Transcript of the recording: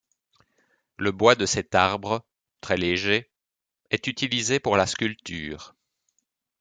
Le bois de cet arbre, très léger, est utilisé pour la sculpture.